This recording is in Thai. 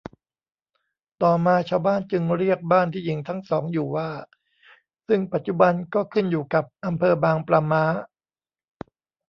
ต่อมาชาวบ้านจึงเรียกบ้านที่หญิงทั้งสองอยู่ว่า ซึ่งปัจจุบันก็ขึ้นอยู่กับอำเภอบางปลาม้า